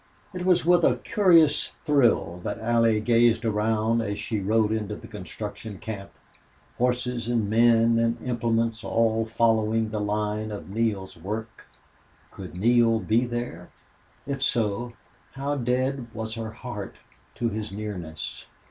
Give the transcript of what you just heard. It was with a curious thrill that Allie gazed around as she rode into the construction camp horses and men and implements all following the line of Neale's work. Could Neale be there? If so, how dead was her heart to his nearness?